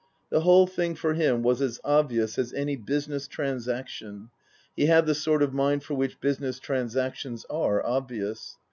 The whole thing for him was as obvious as any business transaction (he had the sort of mind for which business transactions are obvious).